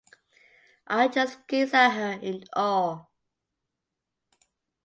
I just gazed at her in awe.